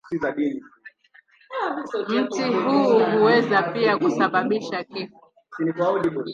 Mti huu huweza pia kusababisha kifo.